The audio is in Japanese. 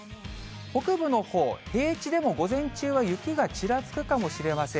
北部のほう、平地でも午前中は雪がちらつくかもしれません。